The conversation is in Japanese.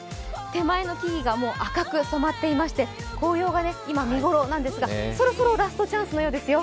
手前の木々が赤く染まっていまして紅葉が今、見頃なんですがそろそろラストチャンスのようですよ。